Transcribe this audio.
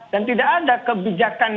dan tidak ada kebijakan